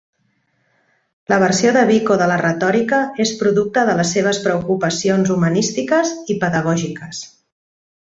La versió de Vico de la retòrica és producte de les seves preocupacions humanístiques i pedagògiques.